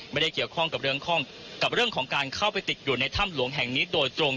ไม่ได้เกี่ยวข้องกับเรื่องกับเรื่องของการเข้าไปติดอยู่ในถ้ำหลวงแห่งนี้โดยตรง